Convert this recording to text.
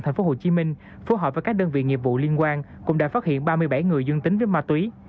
tp hcm phố hội và các đơn vị nghiệp vụ liên quan cũng đã phát hiện ba mươi bảy người dương tính với ma túy